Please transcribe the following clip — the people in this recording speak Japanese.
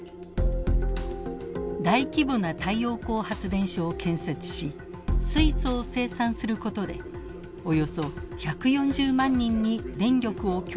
大規模な太陽光発電所を建設し水素を生産することでおよそ１４０万人に電力を供給しようとしています。